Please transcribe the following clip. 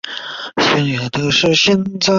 创校校长为陈加恩先生。